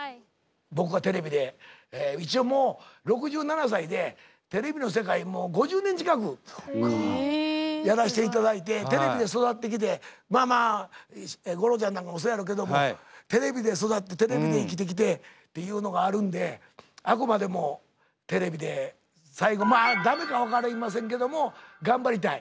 僕がテレビで一応もう６７歳でテレビの世界にもう５０年近くやらしていただいてテレビで育ってきてまあまあ吾郎ちゃんなんかもそやろけどもテレビで育ってテレビで生きてきてっていうのがあるんであくまでもテレビで最後まあ駄目か分かりませんけども頑張りたい。